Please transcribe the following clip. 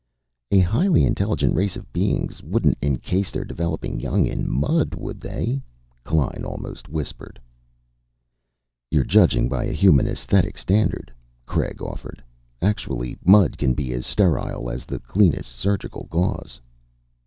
"A highly intelligent race of beings wouldn't encase their developing young in mud, would they?" Klein almost whispered. "You're judging by a human esthetic standard," Craig offered. "Actually, mud can be as sterile as the cleanest surgical gauze."